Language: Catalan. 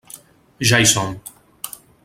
Ja hi som!